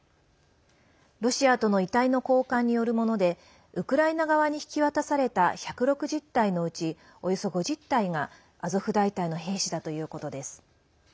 ロシアとの遺体の交換によるものでウクライナ側に引き渡された１６０体のうちおよそ５０体が、アゾフ大隊の兵士だということです。